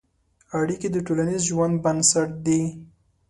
اړیکې د ټولنیز ژوند بنسټ دي.